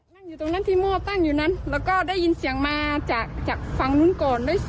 นั่งอยู่ตรงนั้นที่หม้อตั้งอยู่นั้นแล้วก็ได้ยินเสียงมาจากฝั่งนู้นก่อน